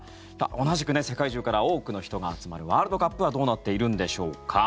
同じく世界中から多くの人が集まるワールドカップはどうなっているんでしょうか。